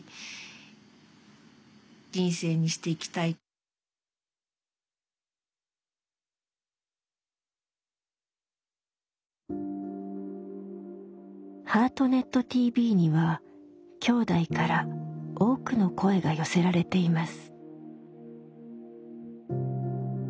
それでもやっぱり「ハートネットＴＶ」にはきょうだいから多くの声が寄せられています。